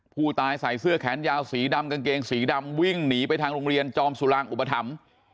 ผู้ตายใส่เสื้อแขนยาวสีดำกางเกงสีดำวิ่งหนีไปทางโรงเรียนจอมสุรางอุปถัมภ์